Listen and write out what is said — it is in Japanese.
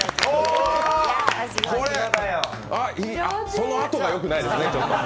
そのあとが良くないですね、ちょっと。